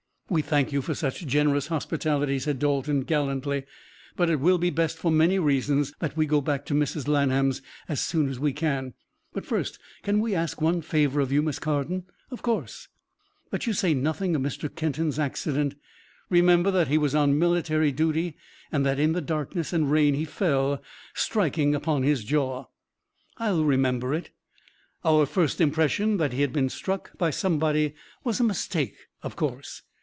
"We thank you for such generous hospitality," said Dalton gallantly, "but it will be best for many reasons that we go back to Mrs. Lanham's as soon as we can. But first can we ask one favor of you, Miss Carden?" "Of course." "That you say nothing of Mr. Kenton's accident. Remember that he was on military duty and that in the darkness and rain he fell, striking upon his jaw." "I'll remember it. Our first impression that he had been struck by somebody was a mistake, of course.